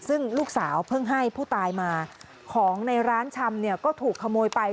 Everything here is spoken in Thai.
ซึ่งลูกสาวเพิ่งให้ผู้ตายมาของในร้านชำเนี่ยก็ถูกขโมยไป